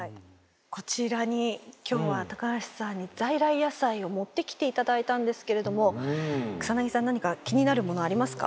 こちらに今日は高橋さんに在来野菜を持ってきて頂いたんですけれども草さん何か気になるものありますか？